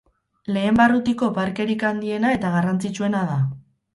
Lehen barrutiko parkerik handiena eta garrantzitsuena da.